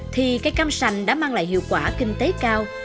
thì cây cam sành đã mang lại hiệu quả kinh tế cao